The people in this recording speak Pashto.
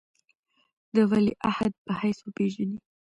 د ولیعهد په حیث وپېژني.